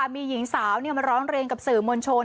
มีหญิงสาวมาร้องเรียนกับสื่อมวลชน